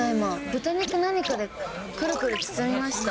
豚肉、何かでくるくる包みました。